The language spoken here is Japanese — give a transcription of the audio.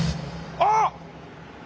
あっ！